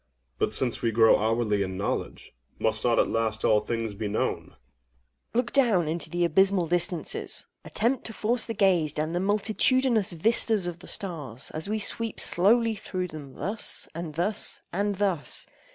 OINOS. But, since we grow hourly in knowledge, must not at last all things be known? AGATHOS. Look down into the abysmal distances!—attempt to force the gaze down the multitudinous vistas of the stars, as we sweep slowly through them thus—and thus—and thus!